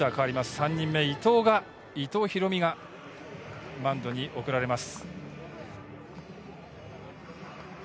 ３人目、伊藤大海が、マウンドに送られます。